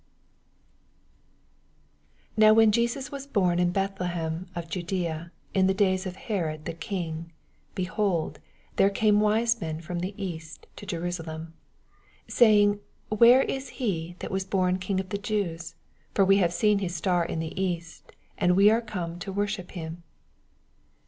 1 Now when Jesus was bom in Bethlehem of Judaea in the days of Herod the king, behold, there came wise men from the east to Jerusalem, 2 Saying, Where is he that is born King of the Jews ? for we have seen his star in the east, and are come to worship him.